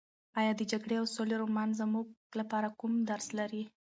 ایا د جګړې او سولې رومان زموږ لپاره کوم درس لري؟